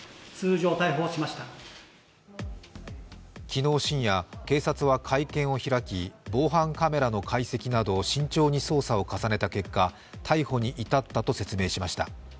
昨日深夜、警察は会見を開き防犯カメラの解析などを慎重に捜査を重ねた結果逮捕に至ったと説明しました。